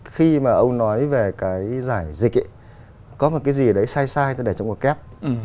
khi mà ông nói về cái giải dịch ấy có một cái gì đấy sai sai tôi để chống cuộc kép